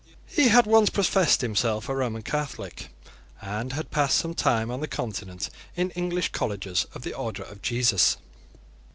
He had once professed himself a Roman Catholic, and had passed some time on the Continent in English colleges of the order of Jesus.